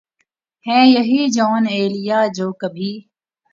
ہیں یہی جونؔ ایلیا جو کبھی